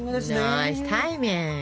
ナイスタイミング！